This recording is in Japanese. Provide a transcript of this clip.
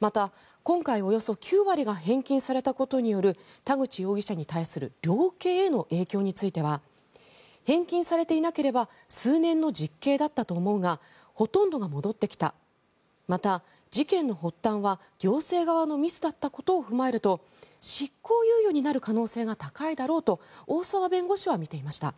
また、今回およそ９割が返金されたことによる田口容疑者に対する量刑への影響については返金されていなければ数年の実刑だったと思うがほとんどが戻ってきたまた、事件の発端は行政側のミスだったことを踏まえると執行猶予になる可能性が高いだろうと大澤弁護士は見ていました。